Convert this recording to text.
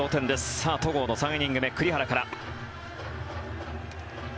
さあ、戸郷の３イニング目栗原から。